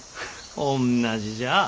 おんなじじゃあ。